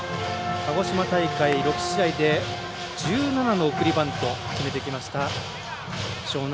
鹿児島大会６試合で１７の送りバントを決めてきました、樟南。